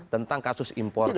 tentang kasus impor